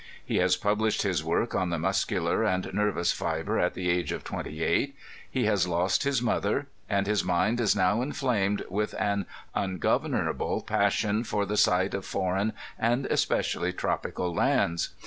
He has published his work on the muscular and nerv ous fibre at the age of 28. He has lost his mother ; and his mind is now inflamed with an ungovernable passion for the sight of foreign and especially tropical lands.